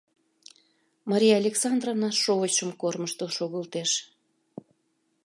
Мария Александровна шовычшым кормыжтыл шогылтеш.